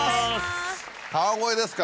川越ですか。